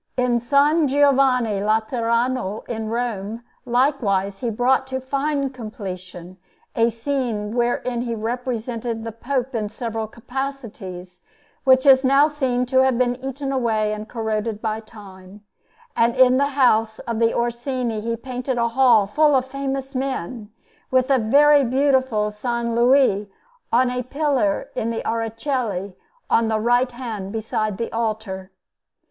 In S. Giovanni Laterano in Rome, likewise, he brought to fine completion a scene wherein he represented the Pope in several capacities, which is now seen to have been eaten away and corroded by time; and in the house of the Orsini he painted a hall full of famous men; with a very beautiful S. Louis on a pillar in the Araceli, on the right hand beside the altar.